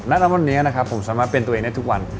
และวันนี้นะครับผมสามารถเป็นตัวเองได้ทุกวัน